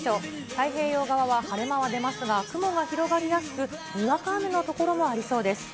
太平洋側は晴れ間は出ますが、雲は広がりやすく、にわか雨の所もありそうです。